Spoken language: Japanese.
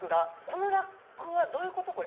このラックはどういうこと？